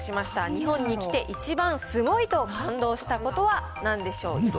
日本に来て一番すごいと感動したことはなんでしょう？